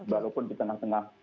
walaupun di tengah tengah